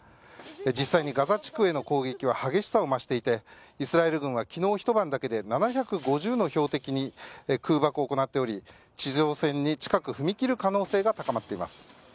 実際にガザ地区への攻撃は激しさを増していてイスラエル軍は昨日ひと晩だけで７５０の標的に空爆を行っており地上戦に近く、踏み切る可能性が高まっています。